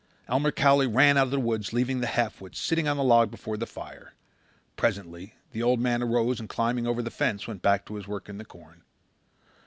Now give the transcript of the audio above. Elmer Cowley ran out of the woods leaving the half wit sitting on the log before the fire. Presently the old man arose and climbing over the fence went back to his work in the corn.